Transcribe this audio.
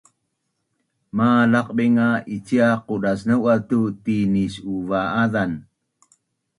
Malaqbing nga icia qudas nau’az tu tinis’uva’azan